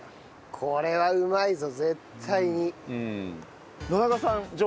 これはうまいぞ絶対に。